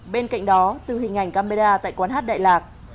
bên cạnh đó từ hình ảnh camera tại quán hát đại lạc